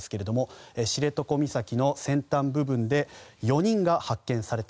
知床岬の先端部分で４人が発見され